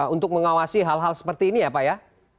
untuk mengawasi hal hal seperti ini ya pak ya